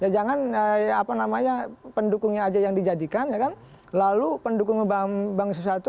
jangan ya apa namanya pendukungnya aja yang dijadikan ya kan lalu pendukung bambang susato